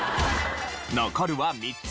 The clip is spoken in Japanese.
残るは３つ。